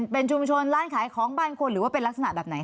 เป็นชุมชนร้านขายของบ้านคนหรือว่าเป็นลักษณะแบบไหน